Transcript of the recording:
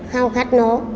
khao khát nó